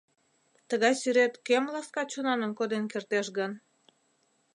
Тыгай сӱрет кӧм ласка чонаным коден кертеш гын?